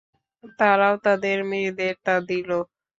তারাও তাদের মেয়েদের তা দিল।